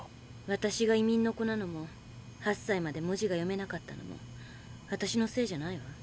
私が移民の子なのも８歳まで文字が読めなかったのも私のせいじゃないわ。